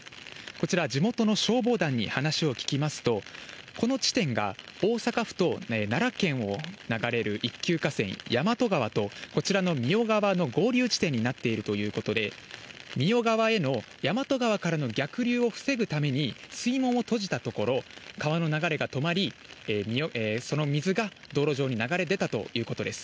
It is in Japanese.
こちら、地元の消防団に話を聞きますと、この地点が大阪府と奈良県を流れる一級河川、やまと川と、こちらの三代川の合流地点になっているということで、三代川へのやまと川からの逆流を防ぐために、水門を閉じたところ、川の流れが止まり、その水が道路上に流れ出たということです。